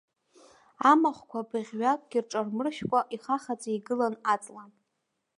Амахәқәа быӷь ҩакгьы рҿаршәымкәа, ихахаӡа игылан аҵла.